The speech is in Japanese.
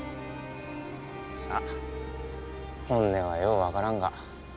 さあ本音はよう分からんが。